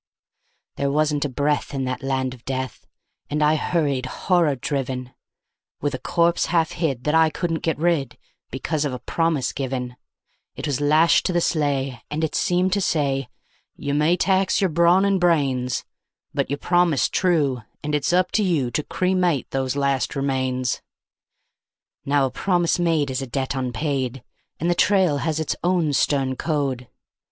There wasn't a breath in that land of death, and I hurried, horror driven, With a corpse half hid that I couldn't get rid, because of a promise given; It was lashed to the sleigh, and it seemed to say: "You may tax your brawn and brains, But you promised true, and it's up to you to cremate those last remains." Now a promise made is a debt unpaid, and the trail has its own stern code.